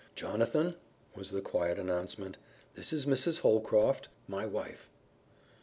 "Jonathan," was the quiet announcement, "this is Mrs. Holcroft, my wife."